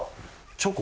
チョコ？